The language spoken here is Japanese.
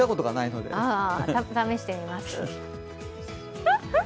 試してみます？